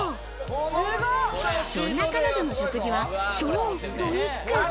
そんな彼女の食事は超ストイック。